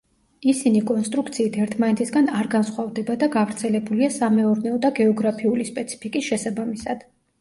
ისინი კონსტრუქციით ერთმანეთისგან არ განსხვავდება და გავრცელებულია სამეურნეო და გეოგრაფიული სპეციფიკის შესაბამისად.